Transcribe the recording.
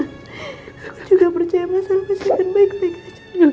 aku juga percaya mas almas akan baik baik saja